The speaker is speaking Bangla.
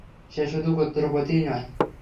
সে শুধু গোত্রপতিই নয়।